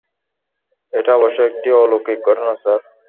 এটা অবশ্যই একটি অলৌকিক ঘটনা, স্যার।